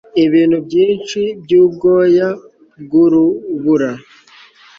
ibintu byinshi byubwoya bwurubura